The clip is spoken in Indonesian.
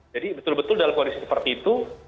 jadi betul betul dalam kondisi seperti itu